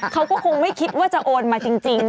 เขาก็คงไม่คิดว่าจะโอนมาจริง